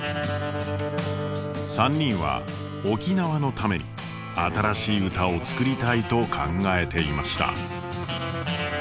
３人は沖縄のために新しい歌を作りたいと考えていました。